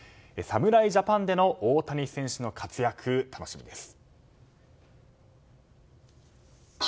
侍ジャパンでの大谷選手の活躍が楽しみです。